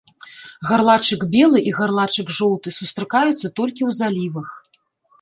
Гарлачык белы і гарлачык жоўты сустракаюцца толькі ў залівах.